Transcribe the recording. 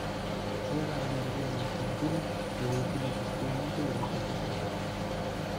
Toda la ganadería de la Argentina, evolucionó positivamente durante estos años.